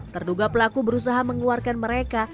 terduga pelaku berusaha mengeluarkan mereka